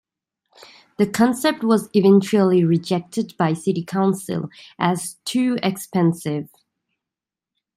The concept was eventually rejected by city council as too expensive.